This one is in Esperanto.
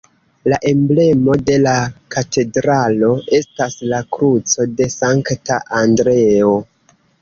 La emblemo de la katedralo estas la kruco de Sankta Andreo.